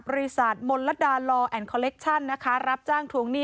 บริษัทมนตรดาลอแอนด์คอลเลคชั่นรับจ้างทวงหนี้